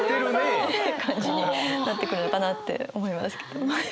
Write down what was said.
感じになってくるのかなって思いますけど。